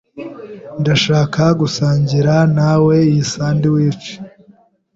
Ndashaka gusangira nawe iyi sandwich.